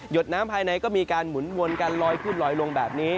ดน้ำภายในก็มีการหมุนวนกันลอยขึ้นลอยลงแบบนี้